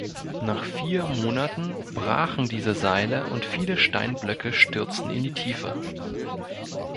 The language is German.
Nach vier Monaten brachen diese Seile und viele Steinblöcke stürzten in die Tiefe.